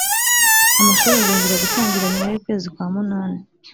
Amashuli azongera gutangira nyuma y’ukwezi kwa munani